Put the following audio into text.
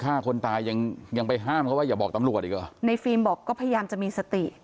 ฆ่าคนตายยังยังไปห้ามเขาว่าอย่าบอกตำรวจอีกเหรอในฟิล์มบอกก็พยายามจะมีสติ